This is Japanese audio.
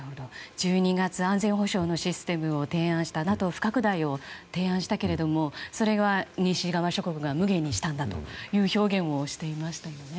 １２月安全保障のシステムを提案したＮＡＴＯ不拡大を提案したけれどもそれが西側諸国が無碍にしたんだというような表現をしていましたよね。